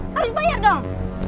harus bayar dong